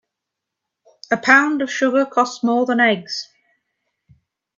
A pound of sugar costs more than eggs.